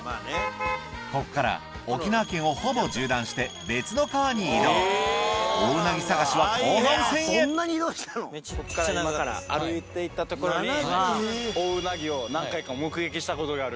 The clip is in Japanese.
ここから沖縄県をほぼ縦断してオオウナギ探しは後半戦へ今から歩いて行った所にオオウナギを何回か目撃したことがある。